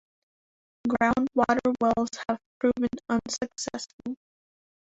Groundwater wells have proven unsuccessful.